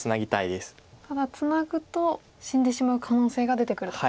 ただツナぐと死んでしまう可能性が出てくると。